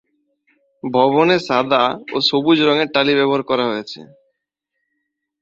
ভবনে সাদা ও সবুজ রঙের টালি ব্যবহার করা হয়েছে।